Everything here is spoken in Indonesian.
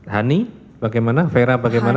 hani bagaimana vera bagaimana